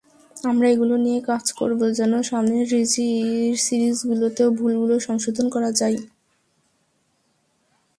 আমরা এগুলো নিয়ে কাজ করব, যেন সামনের সিরিজগুলোতে ভুলগুলো সংশোধন করা যায়।